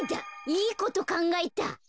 いいことかんがえた。